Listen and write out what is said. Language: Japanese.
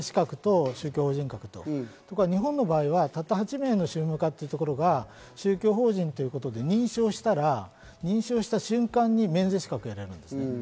免税資格と宗教法人格と、日本の場合はたった８名の宗務課というところが宗教法人ということで、認証したら認証した瞬間に免税資格を得られます。